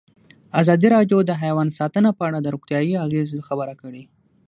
ازادي راډیو د حیوان ساتنه په اړه د روغتیایي اغېزو خبره کړې.